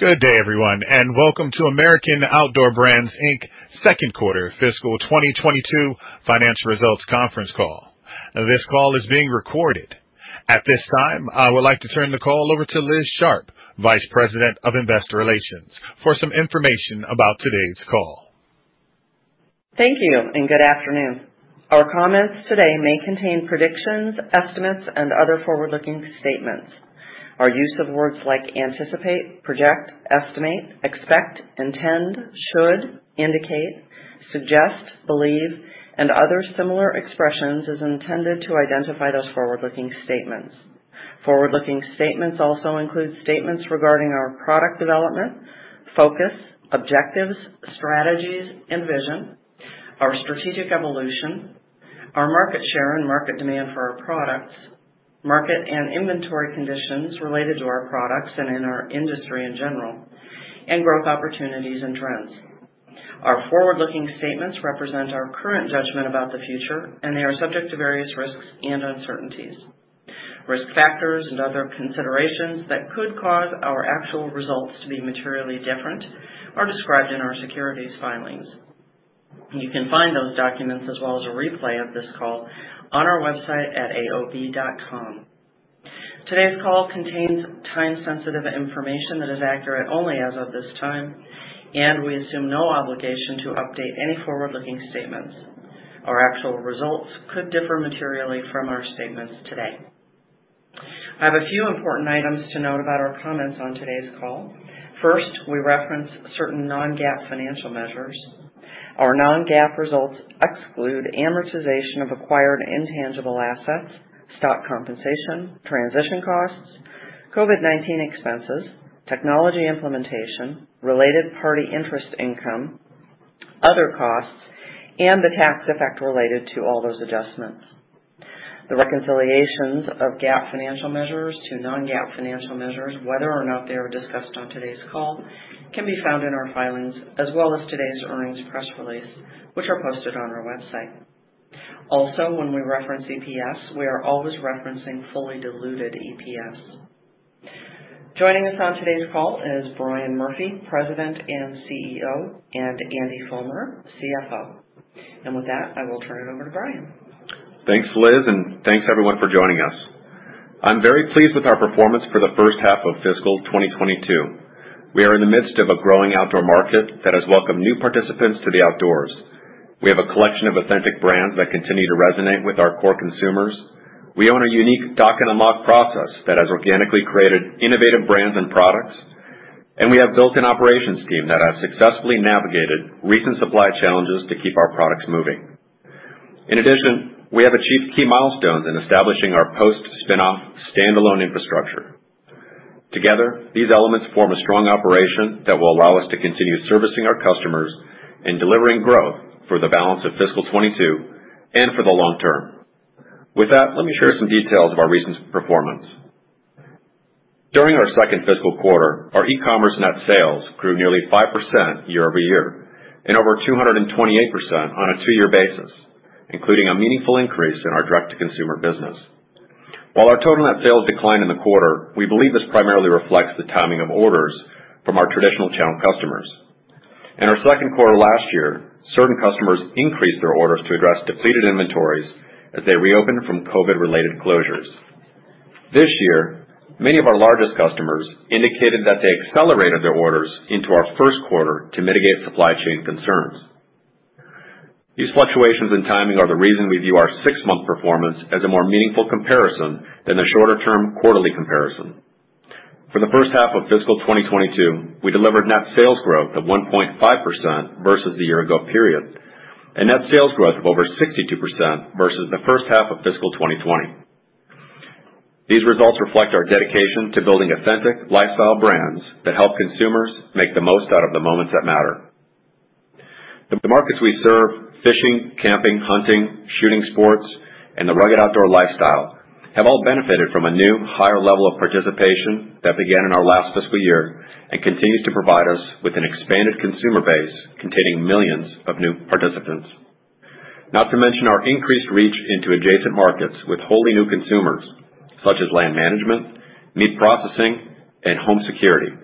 Good day, everyone, and welcome to American Outdoor Brands, Inc.'s Second Quarter Fiscal 2022 Financial Results Conference Call. This call is being recorded. At this time, I would like to turn the call over to Liz Sharp, Vice President of Investor Relations, for some information about today's call. Thank you and good afternoon. Our comments today may contain predictions, estimates, and other forward-looking statements. Our use of words like anticipate, project, estimate, expect, intend, should, indicate, suggest, believe, and other similar expressions is intended to identify those forward-looking statements. Forward-looking statements also include statements regarding our product development, focus, objectives, strategies and vision, our strategic evolution, our market share and market demand for our products, market and inventory conditions related to our products and in our industry in general, and growth opportunities and trends. Our forward-looking statements represent our current judgment about the future, and they are subject to various risks and uncertainties. Risk factors and other considerations that could cause our actual results to be materially different are described in our securities filings. You can find those documents as well as a replay of this call on our website at aob.com. Today's call contains time-sensitive information that is accurate only as of this time, and we assume no obligation to update any forward-looking statements. Our actual results could differ materially from our statements today. I have a few important items to note about our comments on today's call. First, we reference certain non-GAAP financial measures. Our non-GAAP results exclude amortization of acquired intangible assets, stock compensation, transition costs, COVID-19 expenses, technology implementation, related party interest income, other costs, and the tax effect related to all those adjustments. The reconciliations of GAAP financial measures to non-GAAP financial measures, whether or not they are discussed on today's call, can be found in our filings, as well as today's earnings press release, which are posted on our website. Also, when we reference EPS, we are always referencing fully diluted EPS. Joining us on today's call is Brian Murphy, President and CEO, and Andy Fulmer, CFO. With that, I will turn it over to Brian. Thanks, Liz, and thanks, everyone, for joining us. I'm very pleased with our performance for the first half of fiscal 2022. We are in the midst of a growing outdoor market that has welcomed new participants to the outdoors. We have a collection of authentic brands that continue to resonate with our core consumers. We own a unique Dock and Unlock process that has organically created innovative brands and products. We have built an operations team that has successfully navigated recent supply challenges to keep our products moving. In addition, we have achieved key milestones in establishing our post-spin-off standalone infrastructure. Together, these elements form a strong operation that will allow us to continue servicing our customers and delivering growth for the balance of fiscal 2022 and for the long term. With that, let me share some details of our recent performance. During our second fiscal quarter, our e-commerce net sales grew nearly 5% year-over-year and over 228% on a two-year basis, including a meaningful increase in our direct-to-consumer business. While our total net sales declined in the quarter, we believe this primarily reflects the timing of orders from our traditional channel customers. In our second quarter last year, certain customers increased their orders to address depleted inventories as they reopened from COVID-related closures. This year, many of our largest customers indicated that they accelerated their orders into our first quarter to mitigate supply chain concerns. These fluctuations in timing are the reason we view our six-month performance as a more meaningful comparison than the shorter-term quarterly comparison. For the first half of fiscal 2022, we delivered net sales growth of 1.5% versus the year ago period and net sales growth of over 62% versus the first half of fiscal 2020. These results reflect our dedication to building authentic lifestyle brands that help consumers make the most out of the moments that matter. The markets we serve, fishing, camping, hunting, shooting sports, and the rugged outdoor lifestyle, have all benefited from a new higher level of participation that began in our last fiscal year and continues to provide us with an expanded consumer base containing millions of new participants. Not to mention our increased reach into adjacent markets with wholly new consumers, such as land management, meat processing, and home security.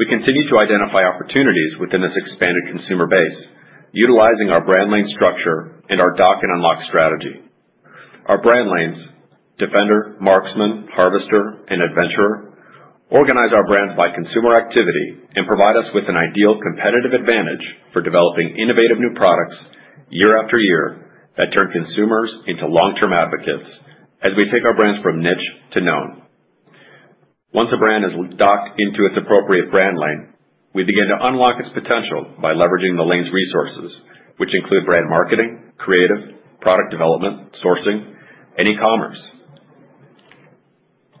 We continue to identify opportunities within this expanded consumer base, utilizing our brand lane structure and our Dock and Unlock strategy. Our brand lanes, Defender, Marksman, Harvester, and Adventurer, organize our brands by consumer activity and provide us with an ideal competitive advantage for developing innovative new products year after year that turn consumers into long-term advocates as we take our brands from niche to known. Once a brand is docked into its appropriate brand lane, we begin to unlock its potential by leveraging the lane's resources, which include brand marketing, creative, product development, sourcing, and e-commerce.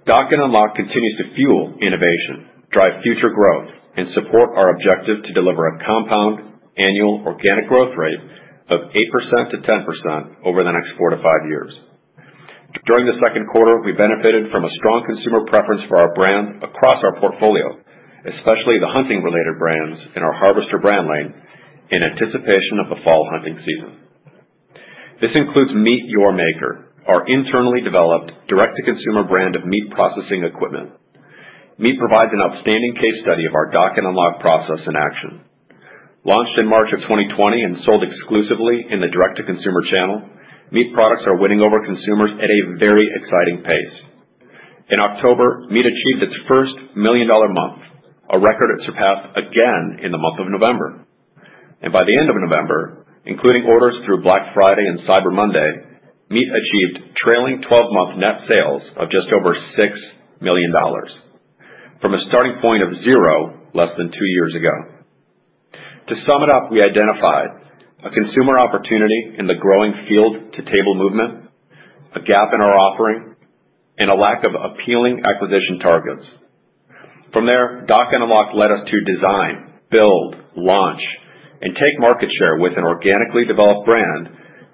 Dock and Unlock continues to fuel innovation, drive future growth, and support our objective to deliver a compound annual organic growth rate of 8%-10% over the next four-five years. During the second quarter, we benefited from a strong consumer preference for our brand across our portfolio, especially the hunting-related brands in our Harvester brand lane, in anticipation of the fall hunting season. This includes MEAT! Your Maker, our internally developed direct-to-consumer brand of meat processing equipment. MEAT! provides an outstanding case study of our Dock and Unlock process in action. Launched in March of 2020 and sold exclusively in the direct-to-consumer channel, MEAT! products are winning over consumers at a very exciting pace. In October, MEAT! achieved its first $1 million month, a record it surpassed again in the month of November. By the end of November, including orders through Black Friday and Cyber Monday, MEAT! achieved trailing twelve-month net sales of just over $6 million from a starting point of zero less than two years ago. To sum it up, we identified a consumer opportunity in the growing field-to-table movement, a gap in our offering, and a lack of appealing acquisition targets. From there, Dock and Unlock led us to design, build, launch, and take market share with an organically developed brand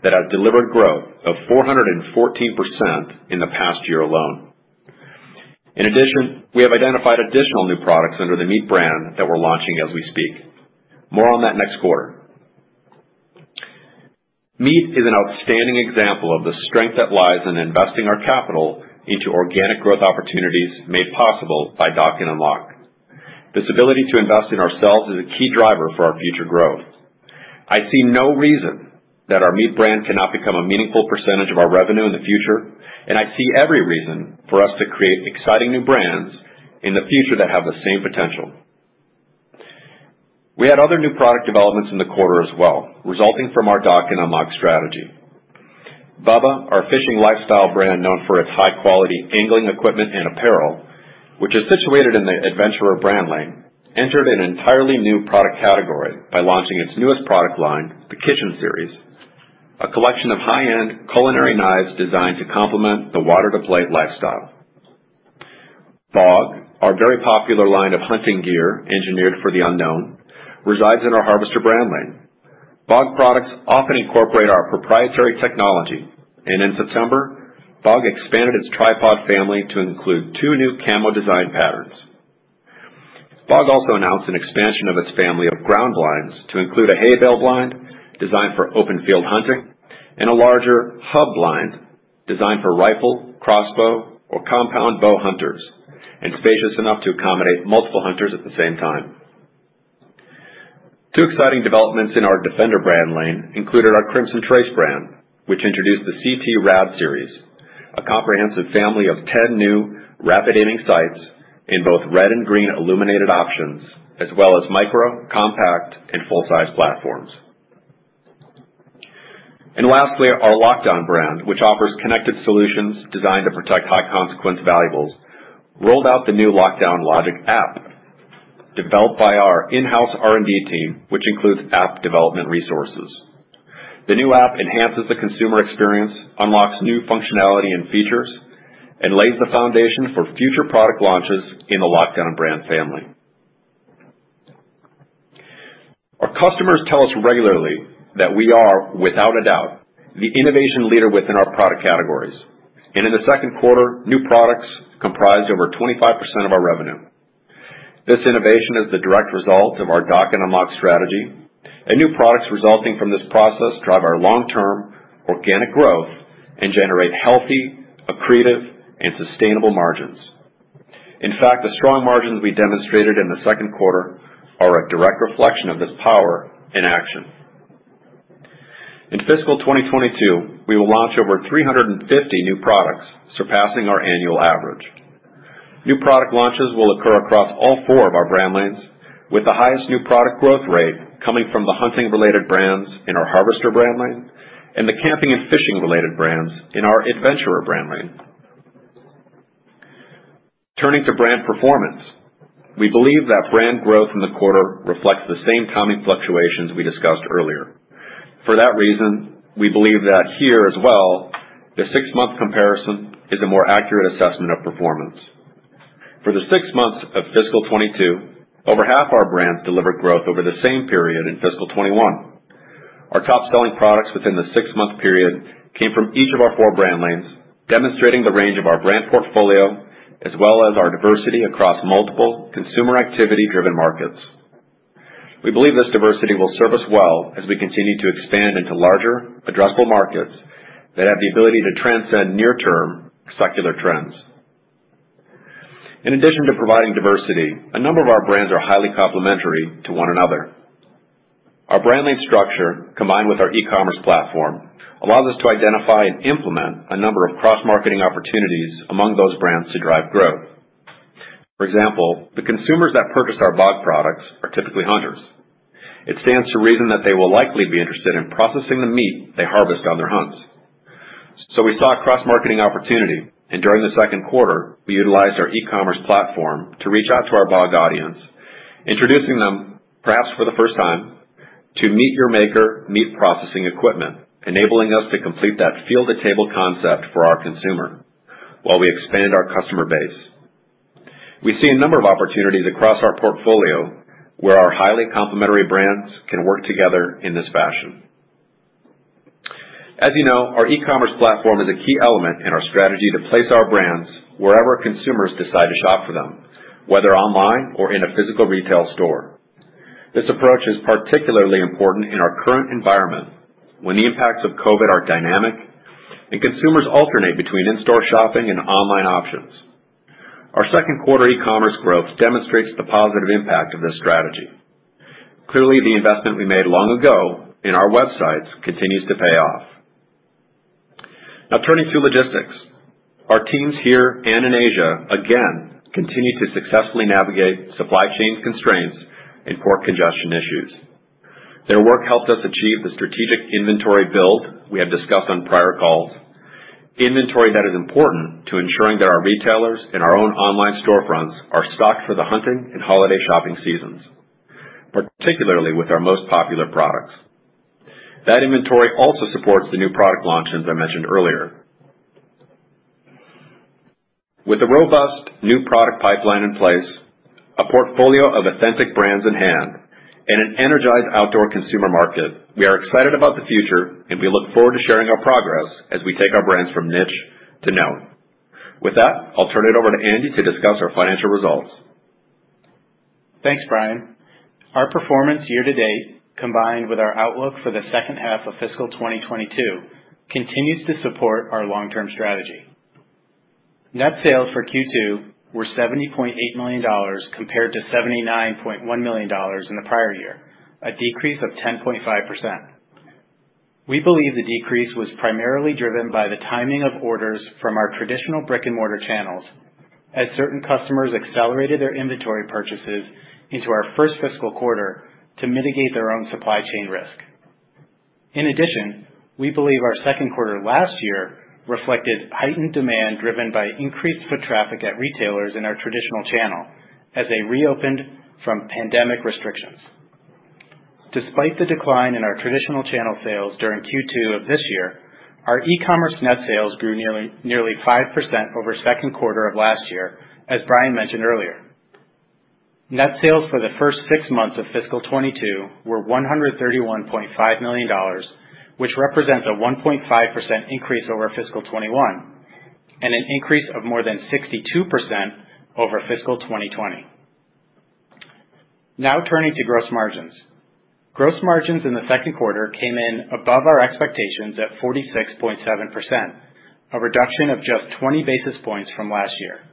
that has delivered growth of 414% in the past year alone. In addition, we have identified additional new products under the MEAT! brand that we're launching as we speak. More on that next quarter. MEAT! is an outstanding example of the strength that lies in investing our capital into organic growth opportunities made possible by Dock and Unlock. This ability to invest in ourselves is a key driver for our future growth. I see no reason that our MEAT! brand cannot become a meaningful percentage of our revenue in the future, and I see every reason for us to create exciting new brands in the future that have the same potential. We had other new product developments in the quarter as well, resulting from our Dock and Unlock strategy. BUBBA, our fishing lifestyle brand known for its high-quality angling equipment and apparel, which is situated in the Adventurer brand lane, entered an entirely new product category by launching its newest product line, the Kitchen Series, a collection of high-end culinary knives designed to complement the water-to-plate lifestyle. BOG, our very popular line of hunting gear engineered for the unknown, resides in our Harvester brand lane. BOG products often incorporate our proprietary technology, and in September, BOG expanded its tripod family to include two new camo design patterns. BOG also announced an expansion of its family of ground blinds to include a hay bale blind designed for open field hunting, and a larger hub blind designed for rifle, crossbow, or compound bow hunters, and spacious enough to accommodate multiple hunters at the same time. Two exciting developments in our Defender brand lane included our Crimson Trace brand, which introduced the CT RAD series, a comprehensive family of 10 new rapid aiming sights in both red and green illuminated options, as well as micro, compact, and full-size platforms. Lastly, our Lockdown brand, which offers connected solutions designed to protect high-consequence valuables, rolled out the new Lockdown Logic app developed by our in-house R&D team, which includes app development resources. The new app enhances the consumer experience, unlocks new functionality and features, and lays the foundation for future product launches in the Lockdown brand family. Our customers tell us regularly that we are, without a doubt, the innovation leader within our product categories. In the second quarter, new products comprised over 25% of our revenue. This innovation is the direct result of our Dock and Unlock strategy, and new products resulting from this process drive our long-term organic growth and generate healthy, accretive, and sustainable margins. In fact, the strong margins we demonstrated in the second quarter are a direct reflection of this power in action. In fiscal 2022, we will launch over 350 new products surpassing our annual average. New product launches will occur across all four of our brand lanes, with the highest new product growth rate coming from the hunting-related brands in our Harvester brand lane and the camping and fishing-related brands in our Adventurer brand lane. Turning to brand performance. We believe that brand growth in the quarter reflects the same timing fluctuations we discussed earlier. For that reason, we believe that here as well, the six-month comparison is a more accurate assessment of performance. For the six months of fiscal 2022, over half our brands delivered growth over the same period in fiscal 2021. Our top-selling products within the six-month period came from each of our four brand lanes, demonstrating the range of our brand portfolio as well as our diversity across multiple consumer activity-driven markets. We believe this diversity will serve us well as we continue to expand into larger addressable markets that have the ability to transcend near-term secular trends. In addition to providing diversity, a number of our brands are highly complementary to one another. Our brand lane structure, combined with our e-commerce platform, allows us to identify and implement a number of cross-marketing opportunities among those brands to drive growth. For example, the consumers that purchase our BOG products are typically hunters. It stands to reason that they will likely be interested in processing the meat they harvest on their hunts. We saw a cross-marketing opportunity, and during the second quarter, we utilized our e-commerce platform to reach out to our BOG audience, introducing them, perhaps for the first time, to MEAT! Your Maker meat processing equipment, enabling us to complete that field-to-table concept for our consumer while we expand our customer base. We see a number of opportunities across our portfolio where our highly complementary brands can work together in this fashion. As you know, our e-commerce platform is a key element in our strategy to place our brands wherever consumers decide to shop for them, whether online or in a physical retail store. This approach is particularly important in our current environment, when the impacts of COVID are dynamic and consumers alternate between in-store shopping and online options. Our second quarter e-commerce growth demonstrates the positive impact of this strategy. Clearly, the investment we made long ago in our websites continues to pay off. Now turning to logistics. Our teams here and in Asia, again, continue to successfully navigate supply chain constraints and port congestion issues. Their work helped us achieve the strategic inventory build we have discussed on prior calls. Inventory that is important to ensuring that our retailers and our own online storefronts are stocked for the hunting and holiday shopping seasons, particularly with our most popular products. That inventory also supports the new product launches I mentioned earlier. With a robust new product pipeline in place, a portfolio of authentic brands in hand, and an energized outdoor consumer market, we are excited about the future, and we look forward to sharing our progress as we take our brands from niche to known. With that, I'll turn it over to Andy to discuss our financial results. Thanks, Brian. Our performance year to date, combined with our outlook for the second half of fiscal 2022, continues to support our long-term strategy. Net sales for Q2 were $70.8 million compared to $79.1 million in the prior year, a decrease of 10.5%. We believe the decrease was primarily driven by the timing of orders from our traditional brick-and-mortar channels as certain customers accelerated their inventory purchases into our first fiscal quarter to mitigate their own supply chain risk. In addition, we believe our second quarter last year reflected heightened demand driven by increased foot traffic at retailers in our traditional channel as they reopened from pandemic restrictions. Despite the decline in our traditional channel sales during Q2 of this year, our e-commerce net sales grew nearly 5% over second quarter of last year, as Brian mentioned earlier. Net sales for the first six months of fiscal 2022 were $131.5 million, which represents a 1.5% increase over fiscal 2021, and an increase of more than 62% over fiscal 2020. Now turning to gross margins. Gross margins in the second quarter came in above our expectations at 46.7%, a reduction of just 20 basis points from last year.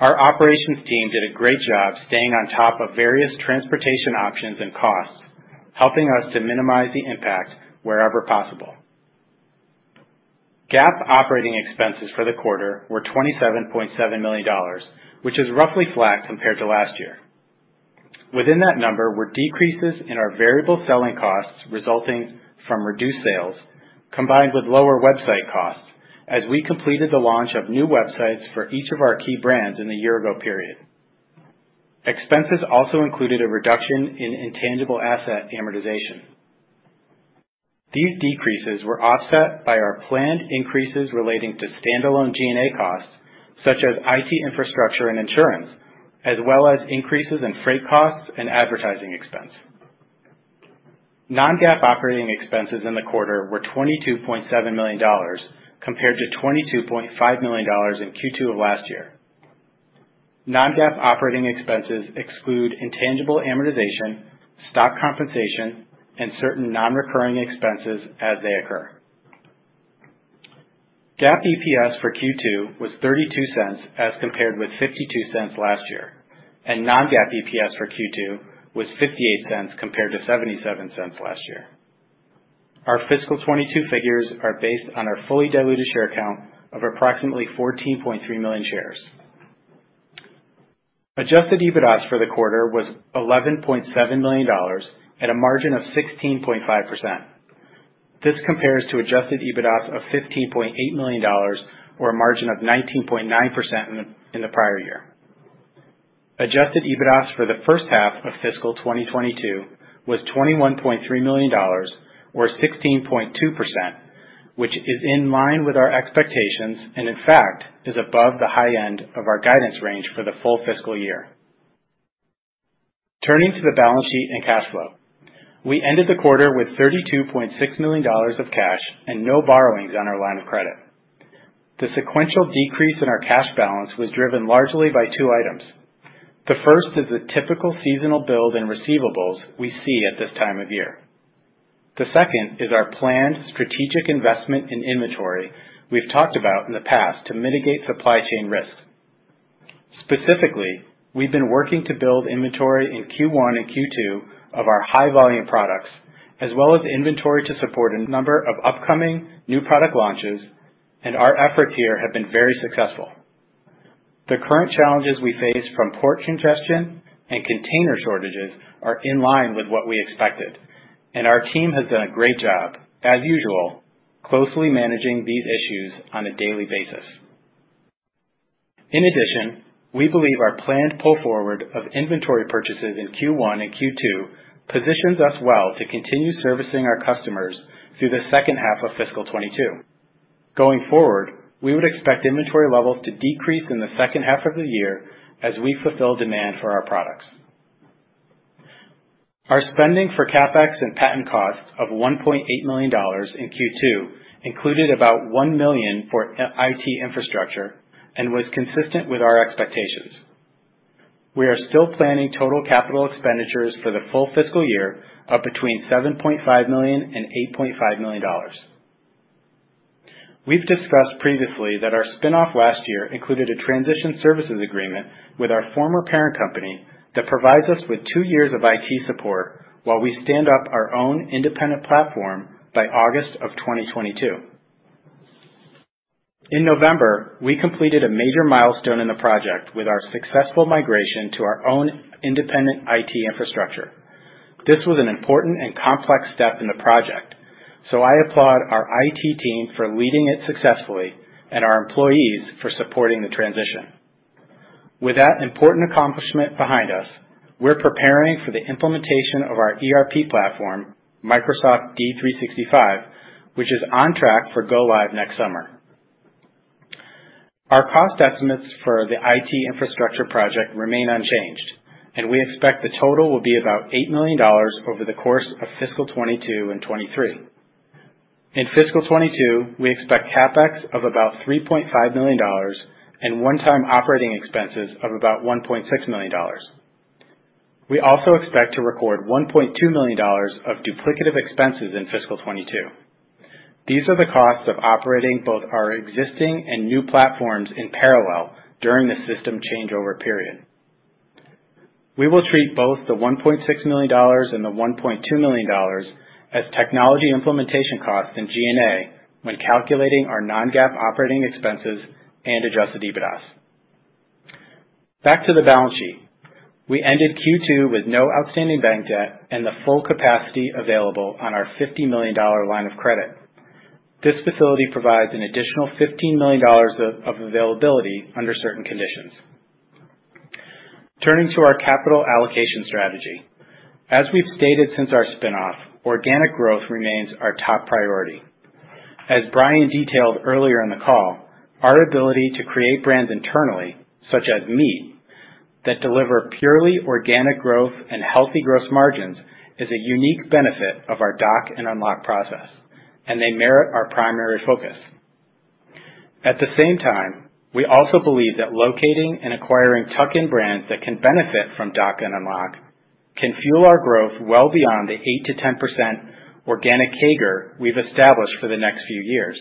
Our operations team did a great job staying on top of various transportation options and costs, helping us to minimize the impact wherever possible. GAAP operating expenses for the quarter were $27.7 million, which is roughly flat compared to last year. Within that number were decreases in our variable selling costs resulting from reduced sales, combined with lower website costs as we completed the launch of new websites for each of our key brands in the year-ago period. Expenses also included a reduction in intangible asset amortization. These decreases were offset by our planned increases relating to standalone G&A costs, such as IT infrastructure and insurance, as well as increases in freight costs and advertising expense. Non-GAAP operating expenses in the quarter were $22.7 million compared to $22.5 million in Q2 of last year. Non-GAAP operating expenses exclude intangible amortization, stock compensation, and certain non-recurring expenses as they occur. GAAP EPS for Q2 was $0.32 as compared with $0.52 last year, and non-GAAP EPS for Q2 was $0.58 compared to $0.77 last year. Our fiscal 2022 figures are based on our fully diluted share count of approximately 14.3 million shares. Adjusted EBITDA for the quarter was $11.7 million at a margin of 16.5%. This compares to adjusted EBITDA of $15.8 million or a margin of 19.9% in the prior year. Adjusted EBITDA for the first half of fiscal 2022 was $21.3 million or 16.2%, which is in line with our expectations, and in fact, is above the high end of our guidance range for the full fiscal year. Turning to the balance sheet and cash flow. We ended the quarter with $32.6 million of cash and no borrowings on our line of credit. The sequential decrease in our cash balance was driven largely by two items. The first is the typical seasonal build in receivables we see at this time of year. The second is our planned strategic investment in inventory we've talked about in the past to mitigate supply chain risk. Specifically, we've been working to build inventory in Q1 and Q2 of our high volume products, as well as inventory to support a number of upcoming new product launches, and our efforts here have been very successful. The current challenges we face from port congestion and container shortages are in line with what we expected, and our team has done a great job, as usual, closely managing these issues on a daily basis. In addition, we believe our planned pull forward of inventory purchases in Q1 and Q2 positions us well to continue servicing our customers through the second half of fiscal 2022. Going forward, we would expect inventory levels to decrease in the second half of the year as we fulfill demand for our products. Our spending for CapEx and patent costs of $1.8 million in Q2 included about $1 million for IT infrastructure and was consistent with our expectations. We are still planning total capital expenditures for the full fiscal year of between $7.5 million and $8.5 million. We've discussed previously that our spin-off last year included a transition services agreement with our former parent company that provides us with two years of IT support while we stand up our own independent platform by August 2022. In November, we completed a major milestone in the project with our successful migration to our own independent IT infrastructure. This was an important and complex step in the project, so I applaud our IT team for leading it successfully and our employees for supporting the transition. With that important accomplishment behind us, we're preparing for the implementation of our ERP platform, Microsoft D365, which is on track for go live next summer. Our cost estimates for the IT infrastructure project remain unchanged, and we expect the total will be about $8 million over the course of fiscal 2022 and 2023. In fiscal 2022, we expect CapEx of about $3.5 million and one-time operating expenses of about $1.6 million. We also expect to record $1.2 million of duplicative expenses in fiscal 2022. These are the costs of operating both our existing and new platforms in parallel during the system changeover period. We will treat both the $1.6 million and the $1.2 million as technology implementation costs in G&A when calculating our non-GAAP operating expenses and adjusted EBITDA. Back to the balance sheet. We ended Q2 with no outstanding bank debt and the full capacity available on our $50 million line of credit. This facility provides an additional $15 million of availability under certain conditions. Turning to our capital allocation strategy. As we've stated since our spin-off, organic growth remains our top priority. As Brian detailed earlier in the call, our ability to create brands internally, such as MEAT!, that deliver purely organic growth and healthy gross margins is a unique benefit of our Dock and Unlock process, and they merit our primary focus. At the same time, we also believe that locating and acquiring tuck-in brands that can benefit from Dock and Unlock can fuel our growth well beyond the 8%-10% organic CAGR we've established for the next few years.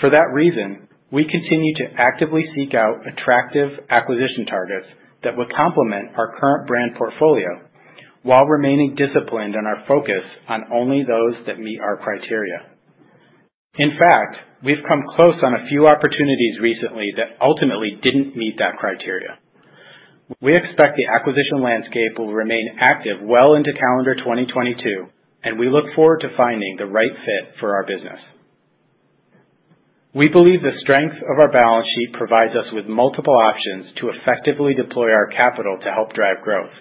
For that reason, we continue to actively seek out attractive acquisition targets that will complement our current brand portfolio while remaining disciplined on our focus on only those that meet our criteria. In fact, we've come close on a few opportunities recently that ultimately didn't meet that criteria. We expect the acquisition landscape will remain active well into calendar 2022, and we look forward to finding the right fit for our business. We believe the strength of our balance sheet provides us with multiple options to effectively deploy our capital to help drive growth.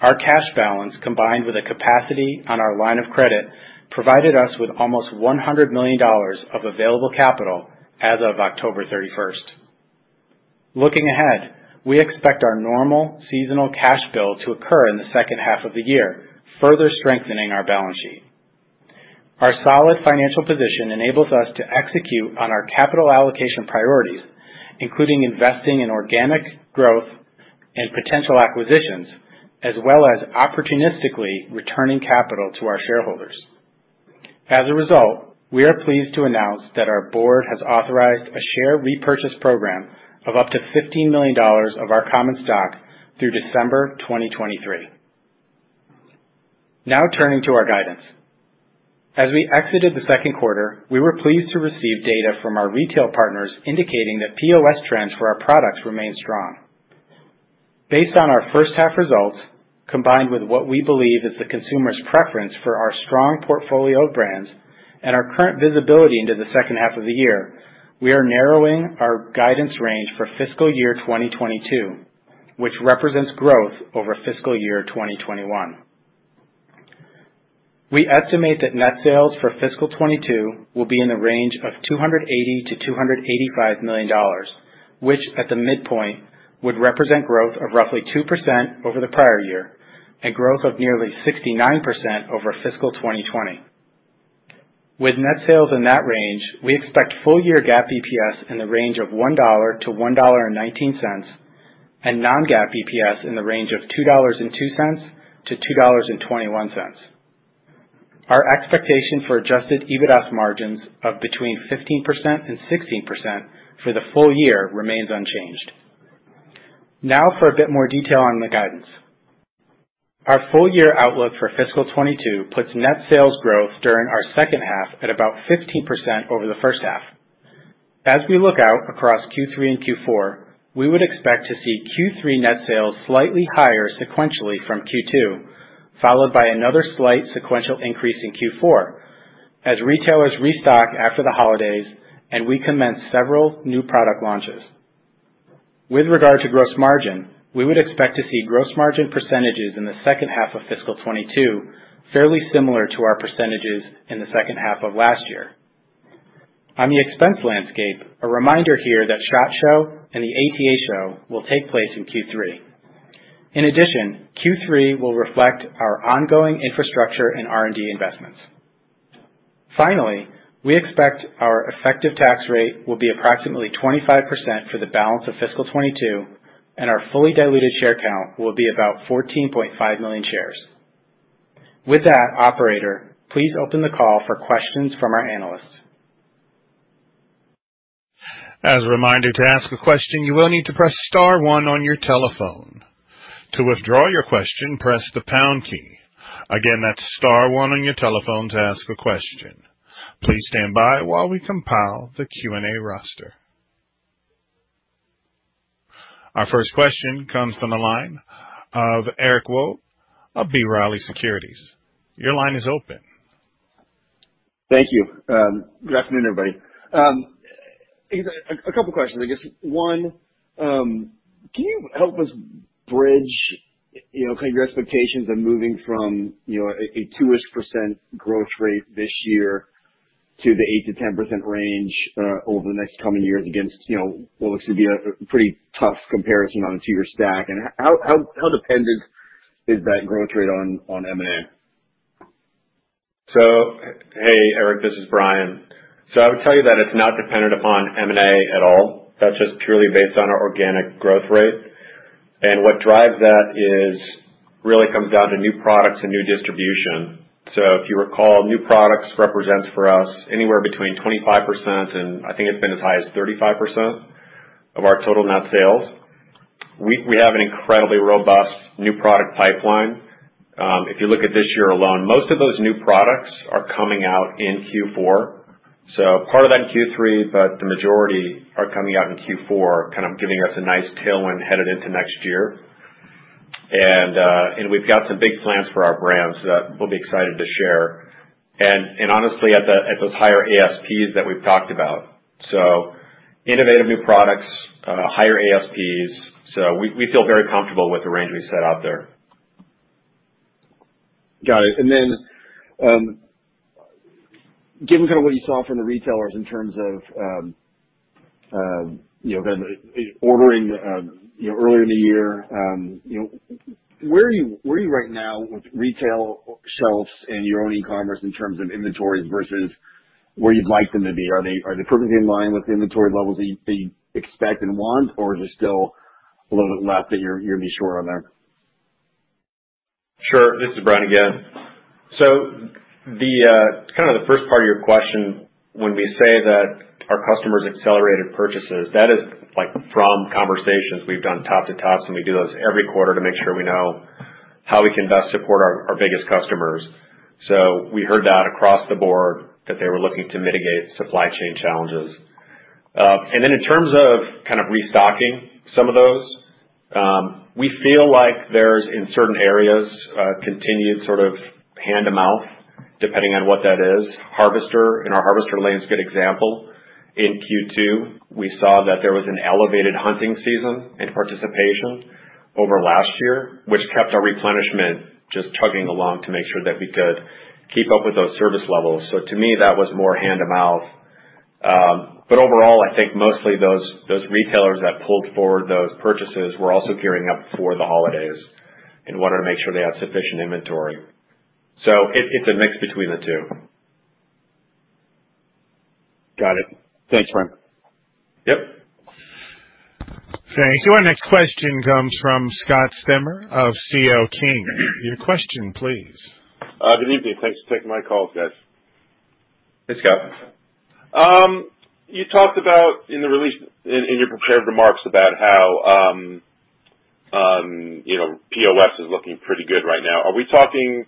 Our cash balance, combined with the capacity on our line of credit, provided us with almost $100 million of available capital as of October 31. Looking ahead, we expect our normal seasonal cash build to occur in the second half of the year, further strengthening our balance sheet. Our solid financial position enables us to execute on our capital allocation priorities, including investing in organic growth and potential acquisitions, as well as opportunistically returning capital to our shareholders. As a result, we are pleased to announce that our board has authorized a share repurchase program of up to $15 million of our common stock through December 2023. Now turning to our guidance. As we exited the second quarter, we were pleased to receive data from our retail partners indicating that POS trends for our products remain strong. Based on our first half results, combined with what we believe is the consumer's preference for our strong portfolio of brands and our current visibility into the second half of the year, we are narrowing our guidance range for fiscal 2022, which represents growth over fiscal 2021. We estimate that net sales for fiscal 2022 will be in the range of $280 million-$285 million, which at the midpoint would represent growth of roughly 2% over the prior year and growth of nearly 69% over fiscal 2020. With net sales in that range, we expect full year GAAP EPS in the range of $1-$1.19, and non-GAAP EPS in the range of $2.02-$2.21. Our expectation for adjusted EBITDA margins of between 15% and 16% for the full year remains unchanged. Now for a bit more detail on the guidance. Our full year outlook for fiscal 2022 puts net sales growth during our second half at about 15% over the first half. As we look out across Q3 and Q4, we would expect to see Q3 net sales slightly higher sequentially from Q2, followed by another slight sequential increase in Q4 as retailers restock after the holidays and we commence several new product launches. With regard to gross margin, we would expect to see gross margin percentages in the second half of fiscal 2022 fairly similar to our percentages in the second half of last year. On the expense landscape, a reminder here that SHOT Show and the ATA Show will take place in Q3. In addition, Q3 will reflect our ongoing infrastructure and R&D investments. Finally, we expect our effective tax rate will be approximately 25% for the balance of fiscal 2022, and our fully diluted share count will be about 14.5 million shares. With that, operator, please open the call for questions from our analysts. As a reminder, to ask a question, you will need to press star one on your telephone. To withdraw your question, press the pound key. Again, that's star one on your telephone to ask a question. Please stand by while we compile the Q&A roster. Our first question comes from the line of Eric Wold of B. Riley Securities. Your line is open. Thank you. Good afternoon, everybody. A couple questions, I guess. One, can you help us bridge, you know, kind of your expectations of moving from, you know, a 2%-ish growth rate this year to the 8%-10% range over the next coming years against, you know, what looks to be a pretty tough comparison on the two-year stack, and how dependent is that growth rate on M&A? Hey, Eric, this is Brian. I would tell you that it's not dependent upon M&A at all. That's just purely based on our organic growth rate. What drives that is really comes down to new products and new distribution. If you recall, new products represents for us anywhere between 25% and I think it's been as high as 35% of our total net sales. We have an incredibly robust new product pipeline. If you look at this year alone, most of those new products are coming out in Q4. Part of that in Q3, but the majority are coming out in Q4, kind of giving us a nice tailwind headed into next year. We've got some big plans for our brands that we'll be excited to share. Honestly, at those higher ASPs that we've talked about. Innovative new products, higher ASPs, so we feel very comfortable with the range we set out there. Got it. Given kind of what you saw from the retailers in terms of, you know, them ordering, you know, earlier in the year, you know, where are you right now with retail shelves and your own e-commerce in terms of inventories versus where you'd like them to be? Are they perfectly in line with the inventory levels that you expect and want, or is there still a little bit left that you're unsure on there? Sure. This is Brian again. The kind of the first part of your question, when we say that our customers accelerated purchases, that is like from conversations we've done top to tops, and we do those every quarter to make sure we know how we can best support our biggest customers. We heard that across the board that they were looking to mitigate supply chain challenges. And then in terms of kind of restocking some of those, we feel like there's, in certain areas, continued sort of hand to mouth, depending on what that is. Harvester, in our Harvester lane is a good example. In Q2, we saw that there was an elevated hunting season and participation over last year, which kept our replenishment just chugging along to make sure that we could keep up with those service levels. To me, that was more hand to mouth. But overall, I think mostly those retailers that pulled forward those purchases were also gearing up for the holidays and wanted to make sure they had sufficient inventory. It's a mix between the two. Got it. Thanks, Brian. Yep. Thank you. Our next question comes from Scott Stember of C.L. King. Your question, please. Good evening. Thanks for taking my calls, guys. Hey, Scott. You talked about in the release in your prepared remarks about how, you know, POS is looking pretty good right now. Are we talking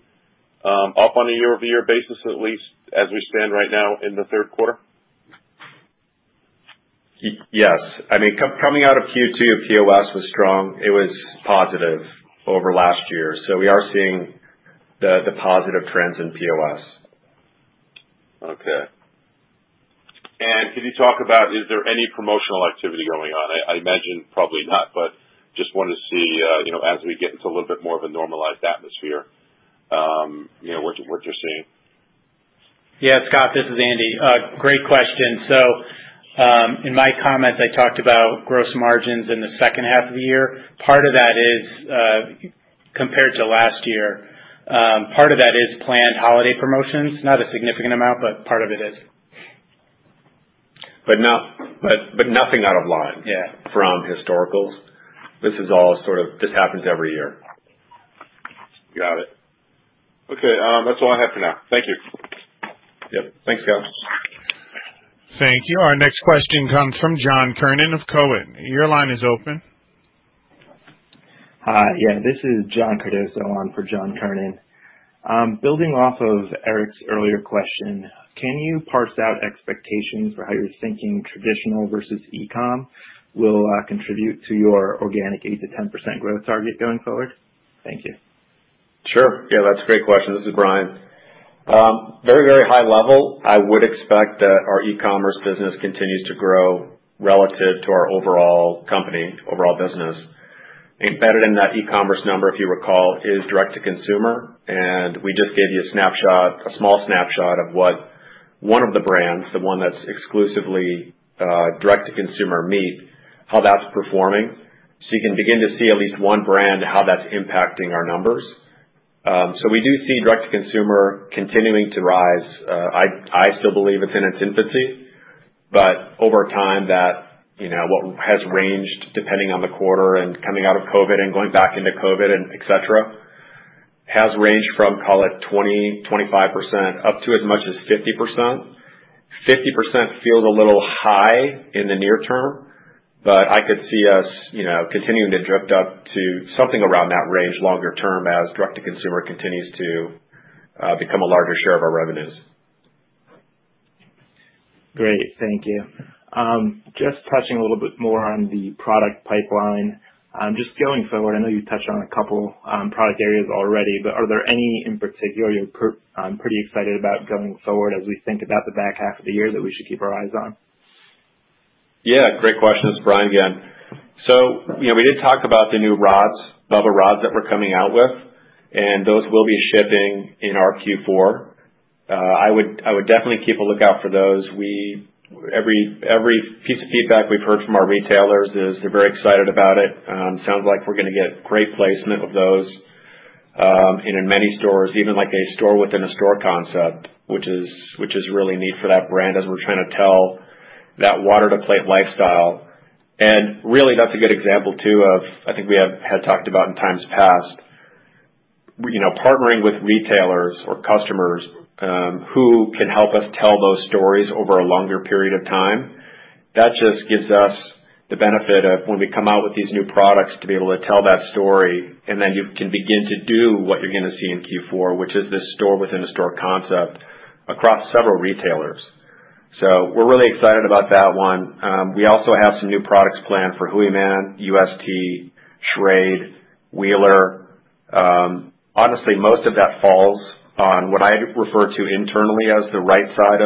up on a year-over-year basis, at least as we stand right now in the third quarter? Yes. I mean, coming out of Q2, POS was strong. It was positive over last year. We are seeing the positive trends in POS. Okay. Can you talk about, is there any promotional activity going on? I imagine probably not, but just wanted to see, you know, as we get into a little bit more of a normalized atmosphere, you know, what you're seeing. Yeah, Scott, this is Andy. Great question. In my comments, I talked about gross margins in the second half of the year. Part of that is compared to last year. Part of that is planned holiday promotions. Not a significant amount, but part of it is. Nothing out of line. Yeah. From historicals. This is all sort of this happens every year. Got it. Okay, that's all I have for now. Thank you. Yep. Thanks, Scott. Thank you. Our next question comes from John Kernan of Cowen. Your line is open. Hi. Yeah, this is John Cardoso on for John Kernan. Building off of Eric's earlier question, can you parse out expectations for how you're thinking traditional versus e-com will contribute to your organic 8%-10% growth target going forward? Thank you. Sure. Yeah, that's a great question. This is Brian. Very, very high level, I would expect that our e-commerce business continues to grow relative to our overall company, overall business. Embedded in that e-commerce number, if you recall, is direct-to-consumer. We just gave you a snapshot, a small snapshot of what one of the brands, the one that's exclusively direct-to-consumer, MEAT!, how that's performing. You can begin to see at least one brand, how that's impacting our numbers. We do see direct-to-consumer continuing to rise. I still believe it's in its infancy, but over time that, you know, what has ranged depending on the quarter and coming out of COVID and going back into COVID and et cetera, has ranged from, call it 20%-25% up to as much as 50%. 50% feels a little high in the near term, but I could see us, you know, continuing to drift up to something around that range longer term as direct to consumer continues to become a larger share of our revenues. Great. Thank you. Just touching a little bit more on the product pipeline, just going forward, I know you touched on a couple, product areas already, but are there any in particular you're pretty excited about going forward as we think about the back half of the year that we should keep our eyes on? Yeah, great question. It's Brian again. You know, we did talk about the new rods, BUBBA rods that we're coming out with, and those will be shipping in our Q4. I would definitely keep a lookout for those. Every piece of feedback we've heard from our retailers is they're very excited about it. Sounds like we're gonna get great placement of those in many stores, even like a store within a store concept, which is really neat for that brand as we're trying to tell that water-to-plate lifestyle. Really that's a good example too of I think we have had talked about in times past, you know, partnering with retailers or customers who can help us tell those stories over a longer period of time. That just gives us the benefit of when we come out with these new products, to be able to tell that story, and then you can begin to do what you're gonna see in Q4, which is this store within a store concept across several retailers. We're really excited about that one. We also have some new products planned for Hooyman, UST, Schrade, Wheeler. Honestly, most of that falls on what I refer to internally as the right side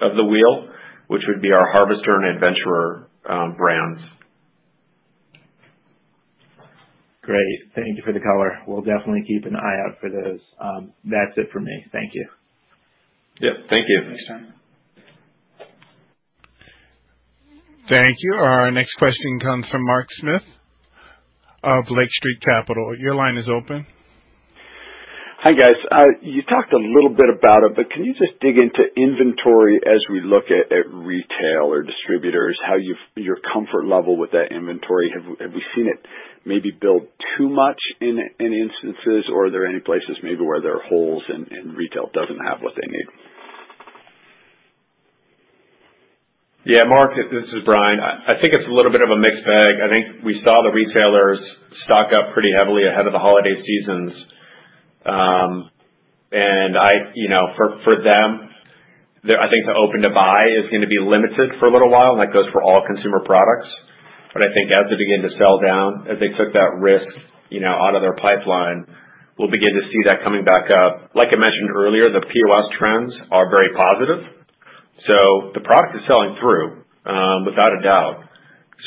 of the wheel, which would be our Harvester and Adventurer brands. Great. Thank you for the color. We'll definitely keep an eye out for those. That's it for me. Thank you. Yep, thank you. Thanks, John. Thank you. Our next question comes from Mark Smith of Lake Street Capital. Your line is open. Hi, guys. You talked a little bit about it. Can you just dig into inventory as we look at retail or distributors, how's your comfort level with that inventory? Have we seen it maybe build too much in instances, or are there any places maybe where there are holes and retail doesn't have what they need? Yeah, Mark, this is Brian. I think it's a little bit of a mixed bag. I think we saw the retailers stock up pretty heavily ahead of the holiday seasons. You know, for them, I think the open to buy is gonna be limited for a little while, and that goes for all consumer products. I think as they begin to sell down, as they took that risk, you know, out of their pipeline, we'll begin to see that coming back up. Like I mentioned earlier, the POS trends are very positive, so the product is selling through without a doubt.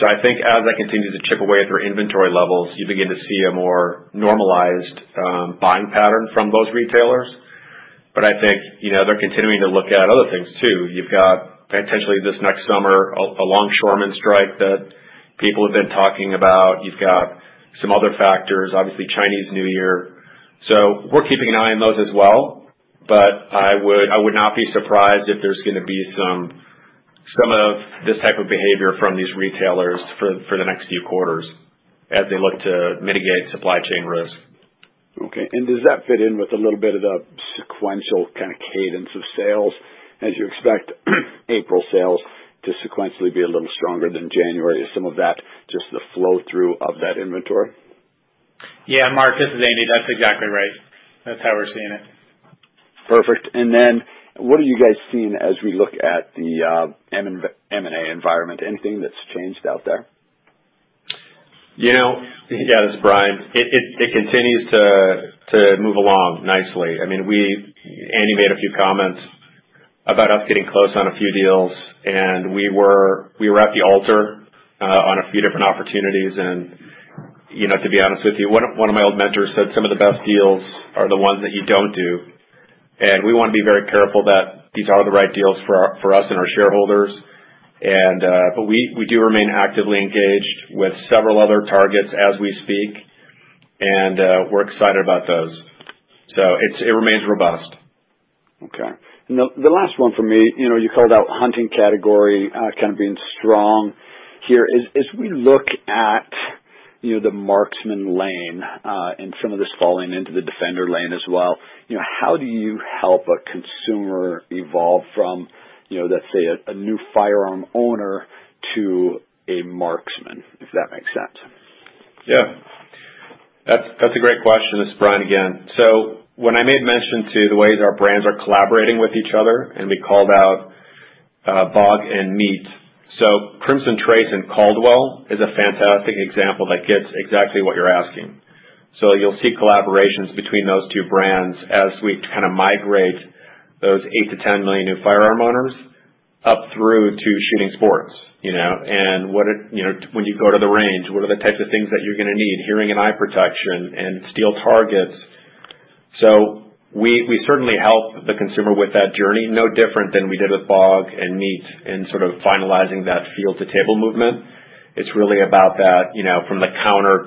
I think as they continue to chip away at their inventory levels, you begin to see a more normalized buying pattern from those retailers. I think, you know, they're continuing to look at other things too. You've got potentially this next summer a longshoreman strike that people have been talking about. You've got some other factors, obviously Chinese New Year. So we're keeping an eye on those as well. I would not be surprised if there's gonna be some of this type of behavior from these retailers for the next few quarters as they look to mitigate supply chain risk. Okay. Does that fit in with a little bit of the sequential kinda cadence of sales as you expect April sales to sequentially be a little stronger than January? Is some of that just the flow through of that inventory? Yeah, Mark, this is Andy. That's exactly right. That's how we're seeing it. Perfect. What are you guys seeing as we look at the M&A environment? Anything that's changed out there? You know. Yeah, this is Brian. It continues to move along nicely. I mean, Andy made a few comments about us getting close on a few deals, and we were at the altar on a few different opportunities. You know, to be honest with you, one of my old mentors said some of the best deals are the ones that you don't do. We wanna be very careful that these are the right deals for our, for us and our shareholders. We do remain actively engaged with several other targets as we speak, and we're excited about those. It remains robust. Okay. The last one for me. You know, you called out hunting category, kind of being strong here. As we look at, you know, the Marksman lane, and some of this falling into the Defender lane as well, you know, how do you help a consumer evolve from, you know, let's say a new firearm owner to a Marksman, if that makes sense? Yeah. That's a great question. This is Brian again. When I made mention to the ways our brands are collaborating with each other, and we called out, Bog and MEAT!. Crimson Trace and Caldwell is a fantastic example that gets exactly what you're asking. You'll see collaborations between those two brands as we kind of migrate those 8-10 million new firearm owners up through to shooting sports, you know? You know, when you go to the range, what are the types of things that you're gonna need? Hearing and eye protection and steel targets. We certainly help the consumer with that journey, no different than we did with Bog and MEAT! in sort of finalizing that field-to-table movement. It's really about that, you know, from the counter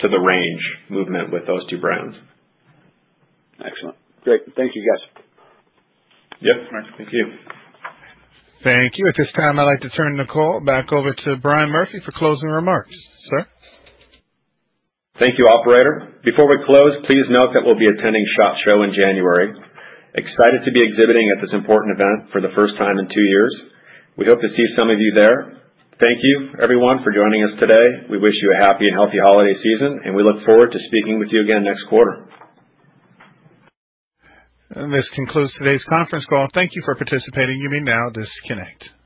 to the range movement with those two brands. Excellent. Great. Thank you, guys. Yep. Thank you. Thank you. At this time, I'd like to turn the call back over to Brian Murphy for closing remarks. Sir? Thank you, Operator. Before we close, please note that we'll be attending SHOT Show in January. Excited to be exhibiting at this important event for the first time in two years. We hope to see some of you there. Thank you everyone for joining us today. We wish you a happy and healthy holiday season, and we look forward to speaking with you again next quarter. This concludes today's conference call. Thank you for participating. You may now disconnect.